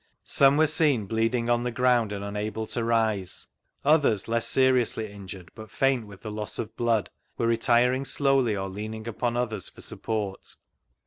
Some were seen bleeding on the ground and unable to rise ; others, less seriously injured but faint with the loss of blood, were retiring slowly or leaning upon others for support.